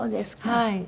はい。